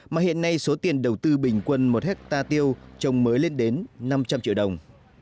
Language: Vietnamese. mà hiện nay số tiền đầu tư bình quân một hectare tiêu trồng mới lên đến năm trăm linh triệu đồng